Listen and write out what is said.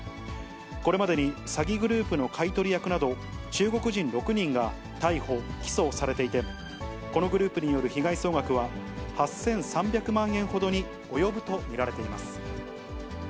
これまでに詐欺グループの買い取り役など、中国人６人が逮捕・起訴されていて、このグループによる被害総額は、８３００万円ほどに及ぶと見られています。